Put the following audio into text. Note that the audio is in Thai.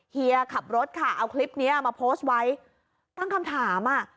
เฮียขับรถค่ะเอาคลิปเนี้ยมาโพสต์ไว้ตั้งคำถามอ่ะ